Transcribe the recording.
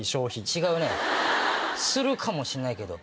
違うねするかもしれないけど。